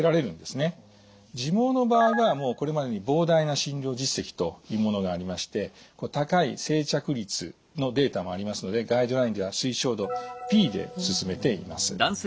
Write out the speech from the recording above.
自毛の場合はもうこれまでに膨大な診療実績というものがありまして高い生着率のデータもありますのでガイドラインでは推奨度Ｂで勧めています。